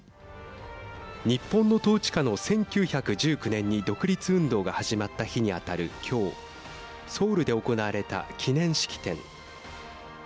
日本の統治下の１９１９年に独立運動が始まった日に当たる今日ソウルで行われた記念式典。